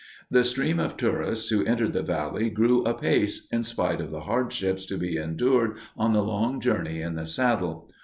The stream of tourists who entered the valley grew apace in spite of the hardships to be endured on the long journey in the saddle.